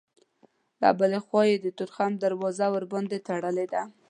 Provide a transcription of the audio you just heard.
له بلې خوا یې د تورخم دروازه ورباندې تړلې ده.